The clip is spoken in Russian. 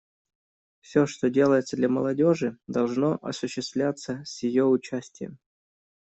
Все, что делается для молодежи, должно осуществляться с ее участием.